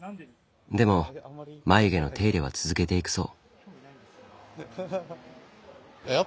でも眉毛の手入れは続けていくそう。